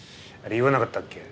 言わなかったっけ？